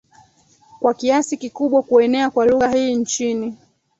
kwakiasi kikubwa kuenea kwa lugha hii nchini